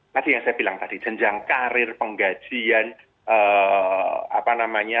tadi yang saya bilang tadi jenjang karir penggajian